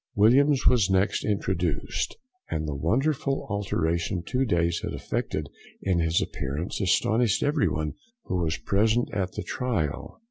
Williams was next introduced, and the wonderful alteration two days had effected in his appearance astonished everyone who was present at the trial.